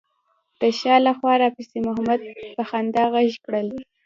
د شا له خوا راپسې محمد په خندا غږ کړل.